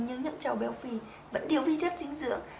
nhưng những cháu béo phì vẫn thiếu vi chất dinh dưỡng